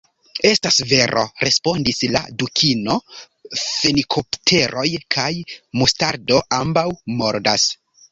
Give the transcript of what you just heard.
"Estas vero," respondis la Dukino. "Fenikopteroj kaj mustardo ambaŭ mordas.